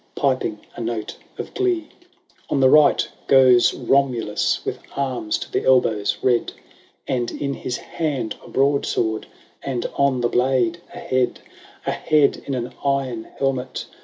Piping a note of glee. VII. On the right goes Romulus, With arms to the elbows red. And in his hand a broadsword. And on the blade a head — A head in an iron helmet.